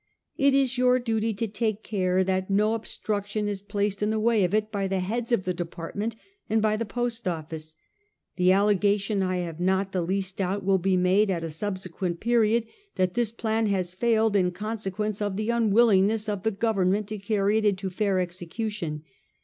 It is your duty to take care that no obstruction is placed in the way of it by the heads of the department, and by the Post Office. The allegation, I have not the least doubt, will be made at a subsequent period that this plan has failed in consequence of the unwilling ness of the Government to carry it into fair execu tion.